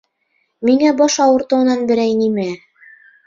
Миңә баш ауыртыуынан берәй нимә?